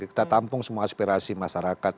kita tampung semua aspirasi masyarakat